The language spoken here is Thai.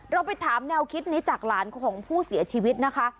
เราไปถามแนวคิดนี้จากหลานของผู้เสียชีวิตนะคะ